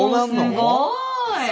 すごい！